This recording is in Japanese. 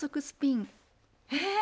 ええ！